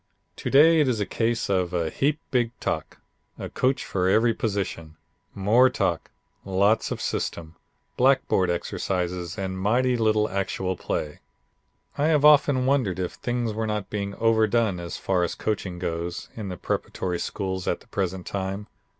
"To day it is a case of a heap big talk, a coach for every position, more talk, lots of system, blackboard exercises and mighty little actual play. "I have often wondered if things were not being overdone as far as coaching goes in the preparatory schools at the present time.